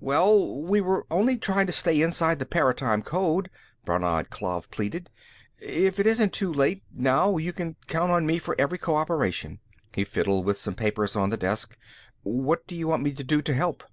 "Well, we were only trying to stay inside the Paratime Code," Brannad Klav pleaded. "If it isn't too late, now, you can count on me for every co operation." He fiddled with some papers on the desk. "What do you want me to do to help?"